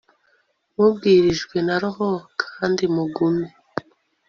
mubwirijwe na roho, kandi mugume